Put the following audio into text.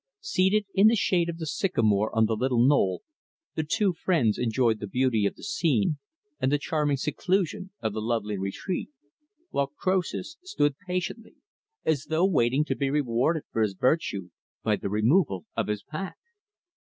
Seated in the shade of the sycamores on the little knoll, the two friends enjoyed the beauty of the scene, and the charming seclusion of the lovely retreat; while Croesus stood patiently, as though waiting to be rewarded for his virtue, by the removal of his pack.